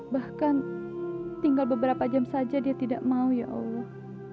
bahkan tinggal beberapa jam saja dia tidak mau ya allah